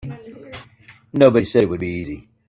Nobody said it would be easy.